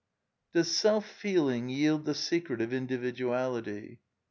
Does self feeling yield the secret of individuality